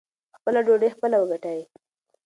خپله ډوډۍ خپله وګټئ.